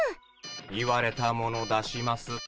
言われたもの出します。